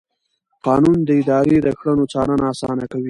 قانون د ادارې د کړنو څارنه اسانه کوي.